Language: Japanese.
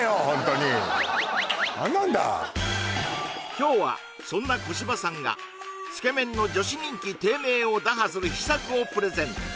今日はそんな小芝さんがつけ麺の女子人気低迷を打破する秘策をプレゼン